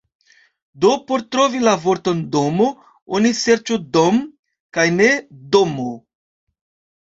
Do por trovi la vorton "domo", oni serĉu "dom" kaj ne "domo".